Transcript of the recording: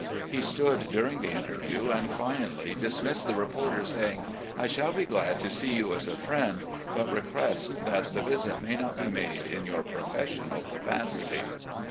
He stood during the interview, and finally dismissed the reporter, saying: " I shall be glad to see you as a friend, but request that the visit may not be made in your professional capacity."